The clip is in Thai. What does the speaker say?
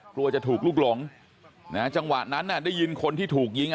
กลัวจะถูกลุกหลงจังหวะนั้นได้ยินคนที่ถูกยิง